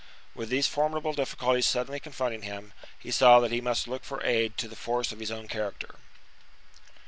With these formidable difficulties suddenly confronting him, he saw that he must look for aid to the force of his own character.